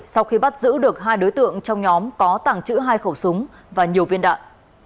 sau khi bắt giữ được hai đối tượng trong nhóm có tàng trữ hai khẩu súng và nhiều viên đạn